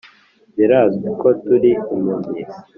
Birazwi ko turi impumyi